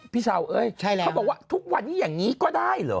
พี่สาวเขาบอกว่าทุกวันอย่างนี้ก็ได้หรอ